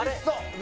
何？